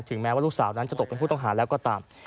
แม้ว่าลูกสาวนั้นจะตกเป็นผู้ต้องหาแล้วก็ตาม